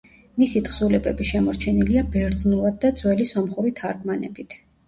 მისი თხზულებები შემორჩენილია ბერძნულად და ძველი სომხური თარგმანებით.